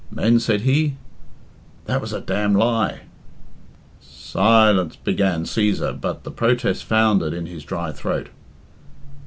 "Men," said he, "that was a d lie." "Si " began Cæsar, but the protest foundered in his dry throat.